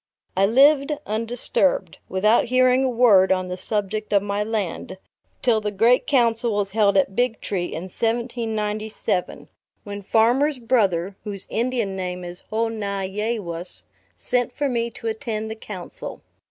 I lived undisturbed, without hearing a word on the subject of my land, till the great Council was held at Big Tree, in 1797, when Farmer's Brother, whose Indian name is Ho na ye wus, sent for me to attend the council.